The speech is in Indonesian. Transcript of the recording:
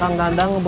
ah ini bagaimana